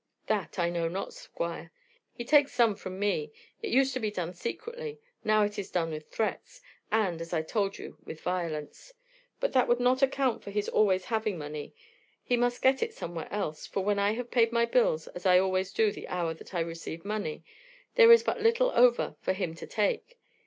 "That I know not, Squire. He takes some from me it used to be done secretly, now it is done with threats, and, as I told you, with violence but that would not account for his always having money. He must get it somewhere else, for when I have paid my bills, as I always do the hour that I receive money, there is but little over for him to take.